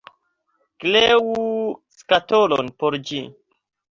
Kreu skatolon por ĝi!